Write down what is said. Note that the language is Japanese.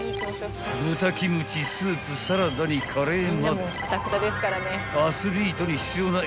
［豚キムチスープサラダにカレーまで］